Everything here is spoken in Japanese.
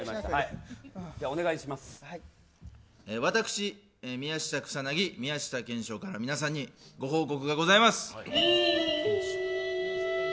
私、宮下草薙宮下から皆さんに、ご報告がございます。